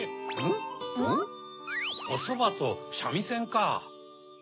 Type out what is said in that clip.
ん？おそばとしゃみせんか。